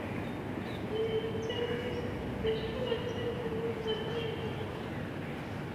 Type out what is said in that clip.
They retain this costume until the wounds are healed.